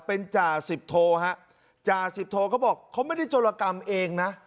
เป็นจ่าสิบโทฮะจ่าสิบโทเขาบอกเขาไม่ได้โจรกรรมเองนะ